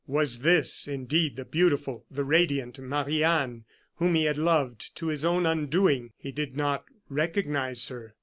Was this indeed the beautiful, the radiant Marie Anne, whom he had loved to his own undoing! He did not recognize her.